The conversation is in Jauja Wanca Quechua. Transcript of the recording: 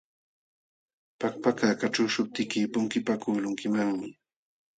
Pakpaka kaćhuqśhuptiyki punkipakuqlunkimanmi.